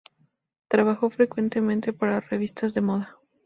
Trabajó frecuentemente para revistas de moda.